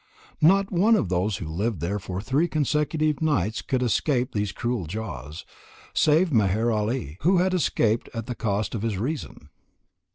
Not one of those who lived there for three consecutive nights could escape these cruel jaws, save Meher Ali, who had escaped at the cost of his reason.